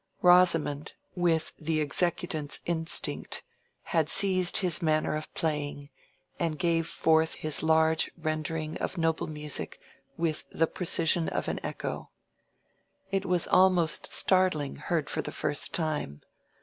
Rosamond, with the executant's instinct, had seized his manner of playing, and gave forth his large rendering of noble music with the precision of an echo. It was almost startling, heard for the first time.